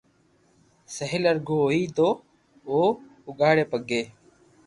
مھل ارگو ھوئي تو او اوگاڙي پگي